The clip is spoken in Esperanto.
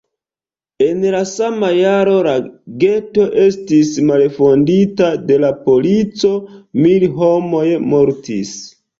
En la sama jaro la geto estis malfondita de la polico; mil homoj mortis.